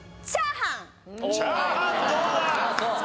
チャーハンどうだ？